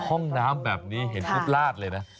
ห้องน้ำแบบนี้เห็นปุ๊บลาดเลยนะ